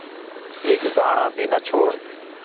ہِک دھاݨاں بھی نہ چھوڑ